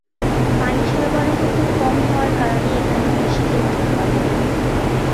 পানির সরবরাহ খুব কম থাকার কারণে এখানে কৃষিক্ষেত্র নগণ্য।